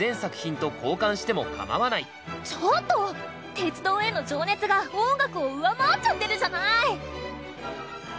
鉄道への情熱が音楽を上回っちゃってるじゃない！